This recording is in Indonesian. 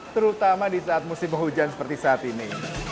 terutama di saat musim penghujan seperti saat ini